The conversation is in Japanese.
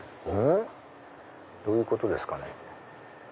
どういうことですかね？